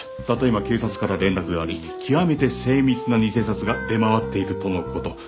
たった今警察から連絡があり極めて精密な偽札が出回っているとのこと」